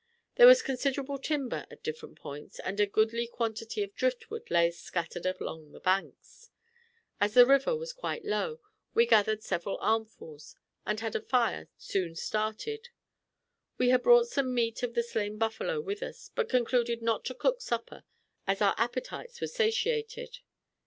There was considerable timber at different points, and a goodly quantity of driftwood lay scattered along its banks. As the river was quite low, we gathered several armfuls, and had a fire soon started. We had brought some meat of the slain buffalo with us, but concluded not to cook supper, as our appetites were satiated.